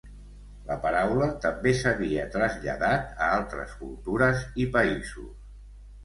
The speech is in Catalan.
La paraula també s'havia traslladat a altres cultures i països.